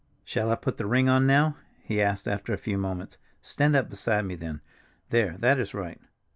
"Shall I put the ring on now?" he asked after a few moments. "Stand up beside me, then. There, that is right.